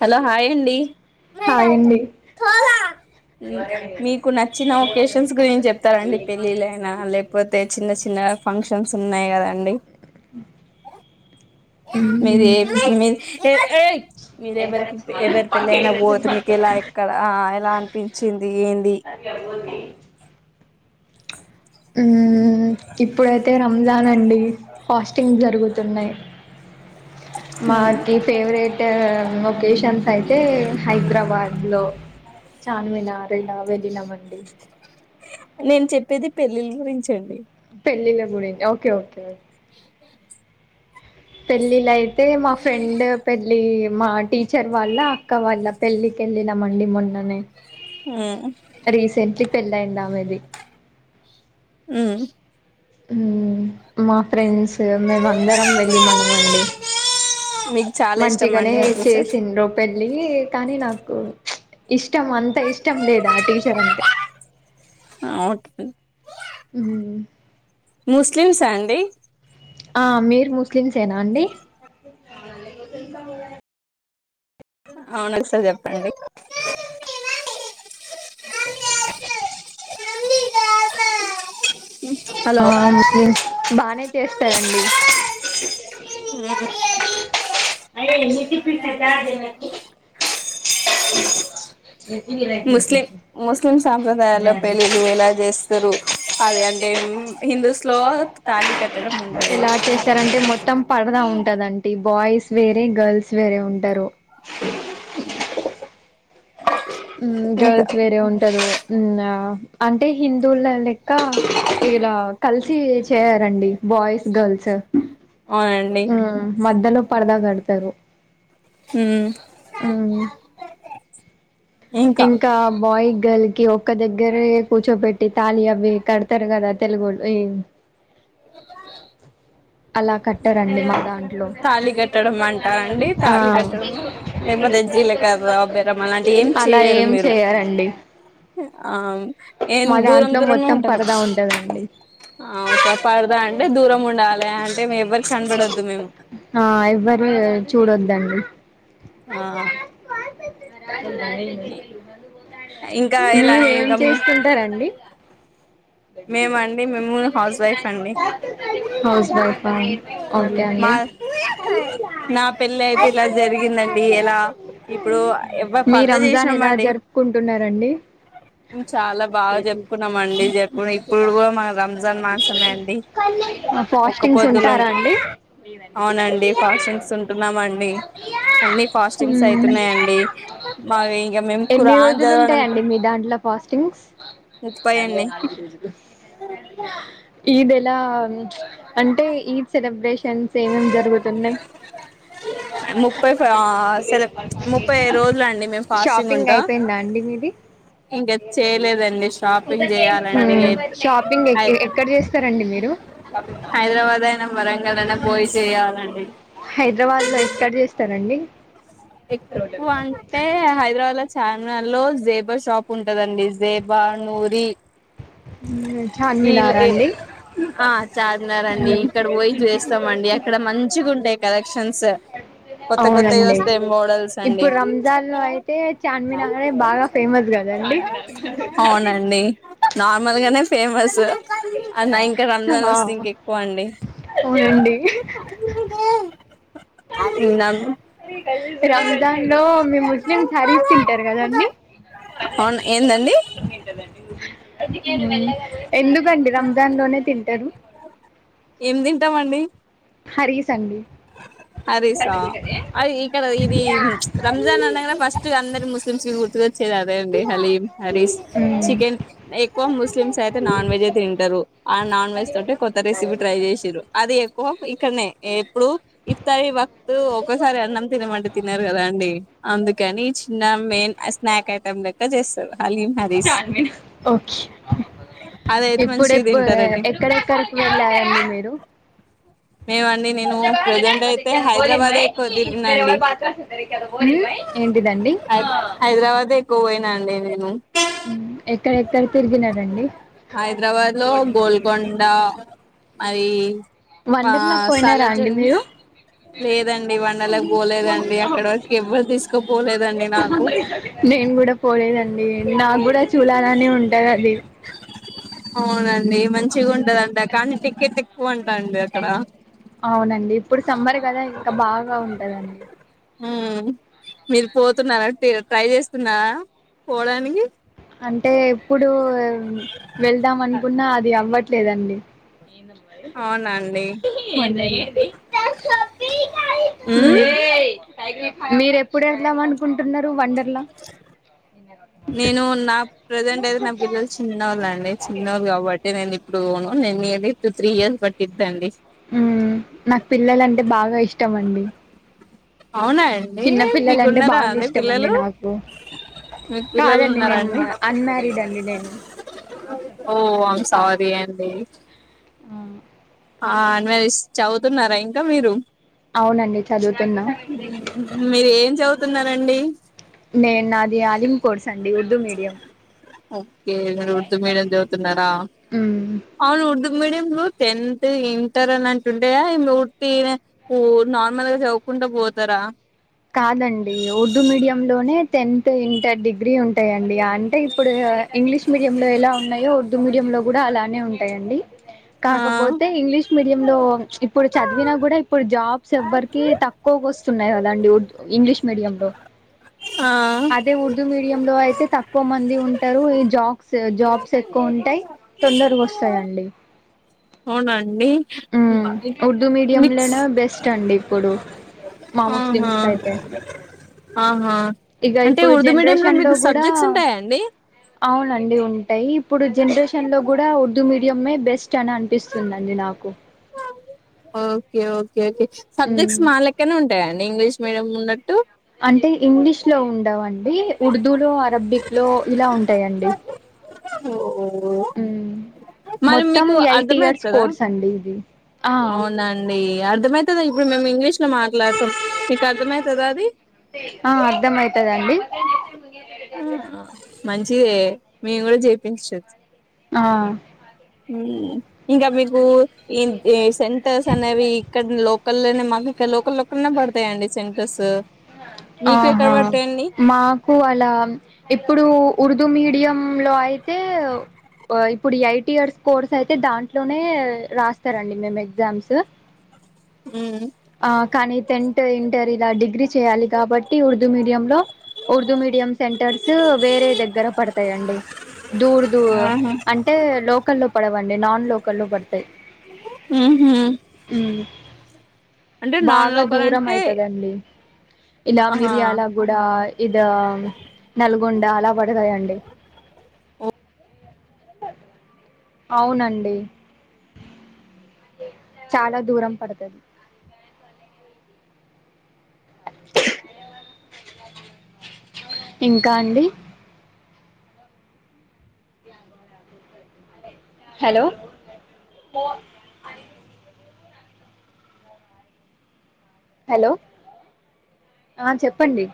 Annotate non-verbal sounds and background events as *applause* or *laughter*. Hello hi అండి hi అండి మీకు నచ్చిన ఒకేషన్స్ గురించి చెప్తారండి పెళ్ళిళ్ళయినా లేకపోతే చిన్న చిన్న ఫంక్షన్స్ ఉన్నాయి కదండి మీది ఏ మ్మ్. మీది ఏ ఏయ్ మీరెవరికి ఎవరి పెళ్ళ అయినా పోతే మీకు ఎలా ఎక్కడ ఆ ఎలా అనిపించింది ఏంది అది గాదు బూందీ ఊ ఊ ఇప్పుడైతే రంజాన్ అండి పాస్టింగ్ జరుగుతున్నాయి మాకి ఫేవరెట్ లొకేషన్స్ అయితే హైదరాబాద్ లో చార్మినార్ ఇలా వెళ్ళినమండి నేను చెప్పేది పెళ్ళిళ్ళ గురించండి గుడిని ఓకే ఓకేే తేక్ పోయినవ్ పెళ్ళిలయితే మా ఫ్రెండ్ పెళ్ళి మా టీచర్ వాళ్ళ అక్క వాళ్ళ పెళ్ళి కెళ్ళినా మండి మొన్ననే రీసెంట్లీ పెళ్ళయింది ఆమెది ఊ ఊ మా ఫ్రెండ్స్ మేమ అందరం వెళ్ళి మనం అండి మీకు చాలా ఇష్టం మంచిగానే అండి ఆ టీచర్ చేసిండు పెళ్ళి కానీ నాకు ఇష్టం అంత ఇష్టం లేదా టీచర్ అంటే అ ఊ అండి ఆ మీర్ ముస్లిమ్సేనా అండి అవునండీ ముస్లిం *unintelligible* అవున ఒకసారి చెప్పండి హలో ఆ ముస్లిం బానే చేస్తారండి అ ఎన్ని *inaudible* ముస్లిం ముస్లిం సాప్రదాయాల్లో పెళ్లిలు ఎలా చేస్తారు అవి అ హిందుస్లో తాళి కట్టడం ఉంటది ఎలా చేస్తారంటే మొత్తం పడదా ఉంటదంటడి బాయ్స్ వేరే గర్ల్స్ స్ వేరే ఉంటారు ఇంకా గర్ల్స్ వేరే ఉంటరూ అంటే హిందువుల లెక్క ఇలా కలిసి చేయారండి బాయ్స్ గర్ల్స్ అవునండి మధ్యలో పరదా కడతారు ఉమ్ ఉమ్ ఇంకా బాయ్ గర్ల్ ఒక్క దగ్గరే కూర్చోబెట్టి తాళి అవి కడతారు కదా తెలుగుళ్ళు అ అలా కట్టారండి మాదా తాళి కట్టడం అంటారండి అ తాళి ఆ కట్టడం లేకపోతే జీలకర్ర బెరం అలాంటి ఏం అలా చెయ్యరు ఏం మీరు చేయారండి ఆ ఏం మా దూరం దాంట్లో దూరంలో మొత్తం ఉంటారు పరదా ఉంటదండి ఆ ఒక పరదా అంటే దూరం ఉండాలి అంటే ఎవరికి కనబడొద్దు మేము ఆ ఎవ్వరు చూడొద్దండి ఆ ఇంకా ఇలా మీరు ఏం ఇంకా చేస్తుంటారండి మేమండి మేము హౌస్ వైఫ్ అండి హౌస్ వైఫా మాది నా పెళ్లి అయితే ఇలా జరిగిందండి ఎలా ఇప్పుడు ఎ మీ పర్ద రంజాన్ చేసినాం ఎలా అండి జరుపుకుంటున్నారండి చాలా బాగా చెప్పుకున్నామ అండి చెప్ ఇప్పుడు ఇప్పుడు కూడా మా రంజాన్ మాసమే అండి ఒక్క ఫాస్టింగ్స్ పొద్దులో ఉంటారా ఉంటాం అండి అవునండి ఫాస్టింగ్స్ ఉంటున్నామండి అన్ని ఫాస్టింగ్స్ హ్మ్ అయితున్నాయండి మావి ఇంకా మేము ఖురాన్ చదవడంతో కాస్టింగ్స్ ముప్పై ఎన్ని ఈద్ ఎలా అంటే ఈద్ సెలబ్రేషన్స్ ఏమేం జరుగుతున్నాయి ముప్పై సెల ముప్పై రోజులు అండి మేము ఫాస్టింగ్ షాపింగ్ ఉంటాం అయిపోయిందా అండి మిది ఇంకా చేయలేదండి షాపింగ్ చేయాలండి షాపింగ్ హై ఎక్కడ చేస్తారండి మీరు షాపింగ్ మాల్ లో అండి చెయాలండి హైదరాబాద్ లో ఎక్కడ చేస్తారండి ఎక్కువ అంటే హైదరాబాద్ ల చార్మినార్ లో జేబా షాప్ ఉంటదండి జేబా నూరి ఉమ్ వీళ్ళు చార్మినార ఏ అండి ఆ చార్మినార్ అండి ఇక్కడ పోయి చేస్తామండి అక్కడ మంచిగుంటై కలెక్షన్స్ కొత్త కొత్తవి అవునండి వస్తాయి మోడల్స్ అండి ఇప్పుడు రంజాన్ లో అయితే చార్మినారే బాగా ఫేమస్ కదండి చార్మినార్ కాదు అవునండి నార్మ మాములుగానే ఫేమస్ అన్న ఇంకా రంజాన్ ఆ ఓస్తే ఇంక ఎక్కువ అండి అవునండి తిన్న రంజాన్ లో మీ ముస్లిం హారీస్ తింటారు కదండి అదే అవును అండి ఏందండి ప్రపంచం మొత్తం తింటాదండి అందుకే నీవు వెళ్ళగలవు ఎందుకండి రంజాన్ లోనే తింటరు ఏం తింటామండి హారిస్ అండి హరీస్ అ ఇకడ ఇది రంజాన్ అనగానే ఫస్ట్ అందరి ముస్లిమ్స్ గుర్తుతే చ్చేది అదే అండి హలీం హరీస్ మ్మ్ చికెన్ ఎక్కువ ముస్లిమ్స్ అయితే నాన్ వెజ్ అయితే తింటరు ఆ నాన్ వెజ్ తోటె కొత్త రెసిపీ ట్రై చేసిన్రు అది ఎక్కువ ఇక్కడనే ఎప్పుడు ఇత్తరి వక్త్ ఒక్కసారి అన్నం తినమంటే తిన్నారు కదా అండి అందుకని చిన్న మే స్నాక్ ఐటమ్ లెక్క చే స్ చార్మినార్ అదయితే మంచిగా ఎప్పుడెప్పు తింటారండి ఎక్కడెక్కడికి వెళ్లారండి మీరు మేమండి నేను ప్రజెంట్ అయితే హైదరాబాదే ఎక్కువ తిరిగిన అండి ఏంటిదండి హై హైదరాబాదే ఎక్కువ పోయినా అండి నేను ఉమ్ ఎక్కడేక్కడ తిరిగినారండి హైదరాబాద్ లో గోల్కొండ ఐ ఆ వండర్లా పోయినారా అండి సార్జంగ్ మీరు లేదండి వండలకు పోలేదండి అక్కడ వరకు ఎవ్వరు తీసుకోపోలేదండి నాకు నేను కూడా పోలేదండి నాకు కూడా చూడాలని ఉంటాదది అవునండి మంచిగా ఉంటదంట కానీ టికెట్ ఎక్కువంటా అండి అక్కడ అవునండి ఇప్పుడు సమ్మర్ కదా ఇంకా బాగా ఉంటదండి ఆ మీరు పోతున్నరా ట్రై చేస్తున్నారా పోడానికి అంటే ఎప్పుడు వెళ్దాం అనుకున్నా అది అవ్వట్లేదండి నంద అవునండి మరి మ న ఉమ్ మీర ఎప్పుడు వెళ్దాం అనుకుంటున్నారు వండర్లా నేను నా ప్రెజెంట్ అయితే నా పిల్లలు చిన్నోళ్ళ అండి చిన్నోళ కాబట్టి నేను ఇప్పుడు పోను may be two three years పట్టిద్ద అండి మ్మ్ నాకు పిల్లలంటే బాగా ఇష్టం అండి చిన్న పిల్లలంటే మీకున్నారా బాగా ఇష్టం అండి పిల్లలు నాకు మీకు పిల్లలు కాదండి ఉన్నారా నేను అండి అన్మారీడ్ అండి నేను ఓ ఆఐమ్ సారీ అడి ఆ అ చదువుతున్నారా ఇంకా మీరు అవునండి చదువుతున్నా మీరు ఏం చదువుతున్నారండి నేను నది కోర్సు *inaudible* ఉర్ద మీడియం ఓకేరు ఉర్దూ మీడియం చదుతున్నార మ్మ్ అవును ఉర్దూ మీడియం టెన్త్ ఇంటర్ అని అంటుండే ఇర్తి నార్మల్ గా చదువుకుంటా పో పోతార కాదండి ఉర్దూ మీడియంలోనే టెన్త్ ఇంటర్ డిగ్రీ ఉంటాయండి అంటే ఇప్పుడు ఇంగ్లీష్ మీడియ లో ఎలా ఉన్నాయో ఉర్దూ మీడియం లో కూడా అలానే ఉంటాయండి ఆ కాకపోతే ఇంగ్లీష్ మీడియ లో ఇప్పుడు చదివినా కూడా ఇప్పుడు జాబ్స్ ఎవ్వరికి తక్కువ వస్తు ఉన్నాయి కదా అండి ఇంగ్లీష్ మీడియంలో ఆ య లో అయితే తక్కువ మంది ఉంటారు ఈ జాబ్స్ జాబ్స్ ఎక్కువ ఉంటాయి తొందరగా వస్తాయ అండి అవునండి ఉర్దూ మిక్స్ మీడియంలోనే బెస్ట్ అండి ఇప్పుడు మా ఆహా ముస్లిమ్స్కి అయితే ఆహా ఇక అంటే ఇప్పుడు ఉర్దూ మీడియం లో జనరేషన్లో మీకు కూడా సబ్జెక్ట్స్ ఉంటాయా అండి అవునండి ఉంటాయి ఇప్పుడు జనరేషన్ లో కూడా ఉర్దూ మీడియే బెస్ట్ చన అనిపిస్తుందిండి నాకు okay okay okay um subjects మా లెక్కనే ఉంటాయండి ఇంగ్లీష్ మీడియం ఉన్నట్టు? అంటే ఇంగ్లీష్ లో ఉండవండి. ఉర్దూలో అరబిక్ లో ఇలా ఉంటాయండి. ఓహో ఉమ్ మొత్తం ఎయిట్ ఇయర్స్ అర్థమవుతుందా కోర్స్ అండి ఇది ఆ ఎం అయితదో ఇగో మేం ఇంగ్లీష్ కే మాట్లాడతాం మిక్ అర్థం అయితదా ఆది? ఆ అర్థమయితదండి ఆ మంచిదే మేం కూడా చేపించచ్చు ఆ అ ఉమ్ ఇంకా మీకు ఇవే సెంటర్స్ అనేవి ఇక్కడ లోకల్నే మాకు ఇకా లోకల్ లోలనే పడతాయండి సెంటర్స్, మీకు ఎక్కడ ఆహా పడతాయండి? మాకు అలా ఇప్పుడు ఉర్దూ మీడియం లో అయితే, ఆ ఇప్పుడ్ ఎయిట్ ఇయర్స్ కోర్స్ అయితే దాంట్లోనే రాస్తారండి మేము ఎగ్జామ్స్. ఉమ్ ఆ కానీ టెన్త్ ఇంటర్ ఇలా డిగ్రీ చేయాలి కాబట్టి ఉర్ దు మీడియం లో ఉర్దూ మీడియం సెంటర్స్ వేరే దగ్గర పడతాయండి. దూర్ దూ ఆహా అంటే లోకల్లో పదవన్ లేనన్ లోకల్లో పడతాయ్ ఉహు ఉమ్ అంటే నాన్ బాగా లోకల్ దూరం అంటే అయితది అండి. ఇలా ఆహా మిరియాల గూడ ఇద నల్ గుండా అలా పడతాయండి. అవునండి చాలా దూరం పడుతది. ఇంకా అండి? హలో హలో ఆ చెప్పండి.